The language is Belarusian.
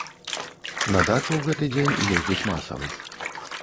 На дачу ў гэты дзень ездзяць масава.